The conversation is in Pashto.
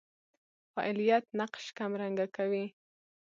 فاعلیت نقش کمرنګه کوي.